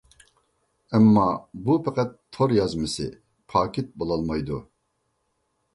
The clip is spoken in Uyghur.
ئەمما بۇ پەقەت تور يازمىسى، پاكىت بولالمايدۇ.